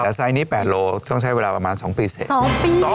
แต่ไซส์นี้๘โลต้องใช้เวลาประมาณ๒ปีเสร็จ